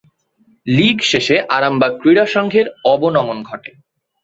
লীগ শেষে আরামবাগ ক্রীড়া সংঘের অবনমন ঘটে।